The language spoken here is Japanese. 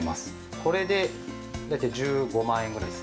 これで大体１５万円ぐらいです。